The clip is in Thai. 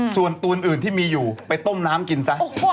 ส่วนตูนอื่นที่มีอยู่ไปต้มน้ำกินซะ